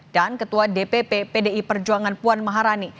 dan ketua dpp pdi perjuangan puan maharani